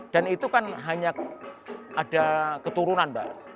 dan itu kan hanya ada keturunan mbak